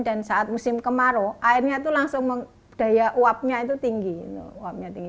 dan saat musim kemarau airnya itu langsung daya uapnya itu tinggi